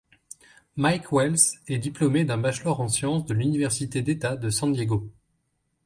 Mike Wells est diplômé d’un bachelor en sciences de l’université d'État de San Diego.